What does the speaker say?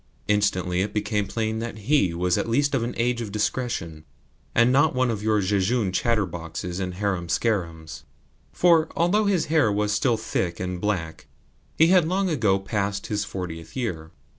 Instantly it became plain that HE at least was of an age of discretion, and not one of your jejune chatterboxes and harum scarums; for, although his hair was still thick and black, he had long ago passed his fortieth year.